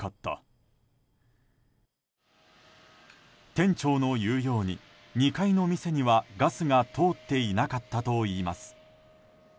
店長の言うように２階の店にはガスが通っていなかったといいます。